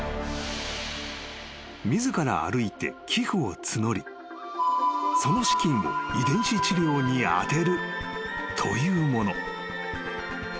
［自ら歩いて寄付を募りその資金を遺伝子治療に充てるというもの］